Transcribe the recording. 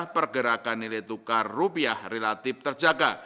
pergerakan nilai tukar rupiah relatif terjaga